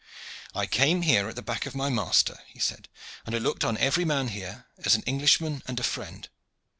"I came here at the back of my master," he said, "and I looked on every man here as an Englishman and a friend.